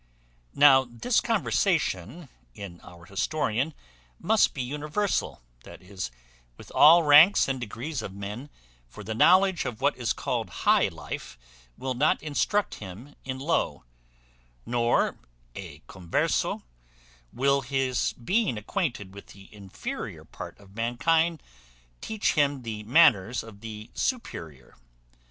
Now this conversation in our historian must be universal, that is, with all ranks and degrees of men; for the knowledge of what is called high life will not instruct him in low; nor, e converso, will his being acquainted with the inferior part of mankind teach him the manners of the superior.